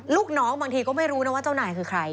ลูกน้องบางทีก็ไม่รู้นะว่าเจ้านายคือใคร